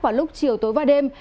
vào lúc chiều tối và đêm